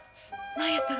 何やったろ。